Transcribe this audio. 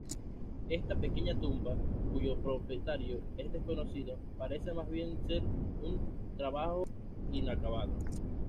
Esta pequeña tumba, cuyo propietario es desconocido, parece más bien ser un trabajo inacabado.